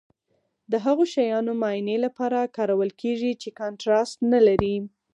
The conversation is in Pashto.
د هغو شیانو معاینې لپاره کارول کیږي چې کانټراسټ نه لري.